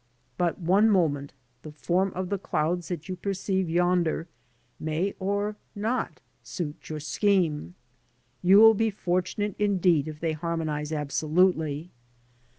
But one moment — ^the form of the clouds that you perceive yonder may or may not suit your scheme. You will be fortunate indeed if they harmonise abso lutely.